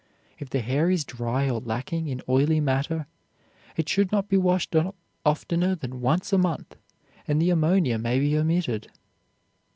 If the hair is dry or lacking in oily matter, it should not be washed oftener than once a month and the ammonia may be omitted.